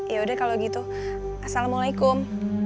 ya udah kalau gitu assalamualaikum